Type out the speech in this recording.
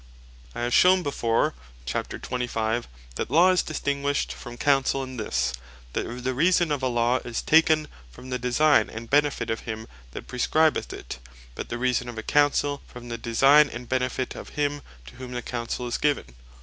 I have shewn before (chap. 25.) that Law, is distinguished from Counsell, in this, that the reason of a Law, is taken from the designe, and benefit of him that prescribeth it; but the reason of a Counsell, from the designe, and benefit of him, to whom the Counsell is given.